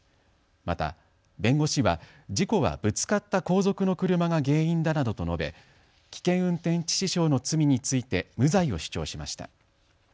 また、弁護士は事故はぶつかった後続の車が原因だなどと述べ危険運転致死傷の罪について無罪を主張しました。